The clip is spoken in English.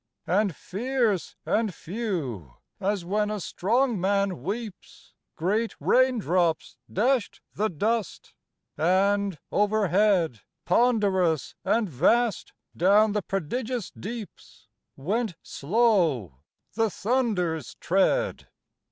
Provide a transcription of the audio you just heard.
And fierce and few, as when a strong man weeps, Great rain drops dashed the dust; and, overhead, Ponderous and vast down the prodigious deeps, Went slow the thunder's tread.